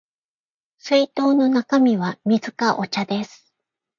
水筒の中身は水かお茶です